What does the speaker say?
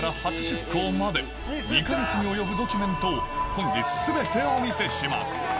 本日全てお見せします